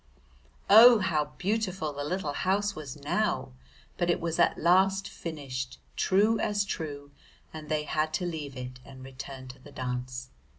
Oh, how beautiful the little house was now! But it was at last finished true as true, and they had to leave it and return to the dance.